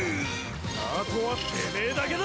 あとはてめえだけだ！